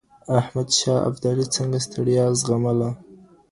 احمد شاه ابدالي څنګه ستړیا زغمله؟